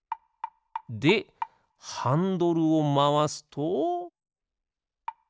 でハンドルをまわすと。